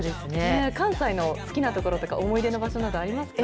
関西の好きな所とか、思い出の場所などありますか。